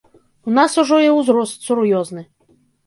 У нас ужо і ўзрост сур'ёзны.